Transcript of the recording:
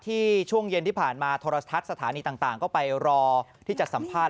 ช่วงเย็นที่ผ่านมาโทรทัศน์สถานีต่างก็ไปรอที่จะสัมภาษณ